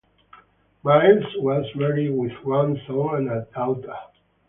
Miles was married with one son and a daughter.